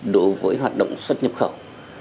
đối với hoạt động xuất nhập khẩu